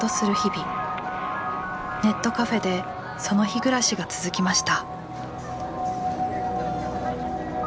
ネットカフェでその日暮らしが続きました。